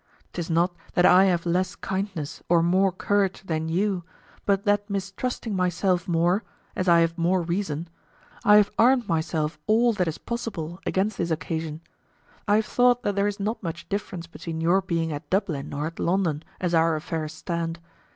'Tis not that I have less kindness or more courage than you, but that mistrusting myself more (as I have more reason), I have armed myself all that is possible against this occasion. I have thought that there is not much difference between your being at Dublin or at London, as our affairs stand.